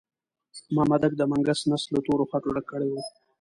مامدک د منګي نس له تورو خټو ډک کړی وو.